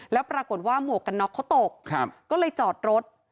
แล้วปรากฏว่าหมวกกันน็อกเขาตกก็เลยจอดรถ